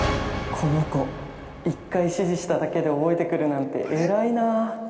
（この子、１回指示しただけで覚えてくるなんて、えらいな。